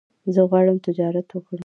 زه غواړم تجارت وکړم